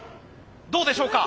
どうでしょうか？